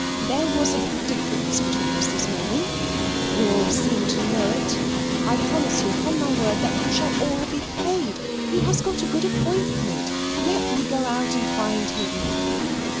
There was a difference between us this morning. You all seem to know it. I promise you upon my word that you shall all be paid. He has got a good appointment. Let me go out and find him."